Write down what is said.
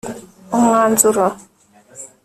umwanzuro